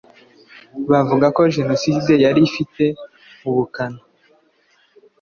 bavuga ko Jenoside yari ifite ubukana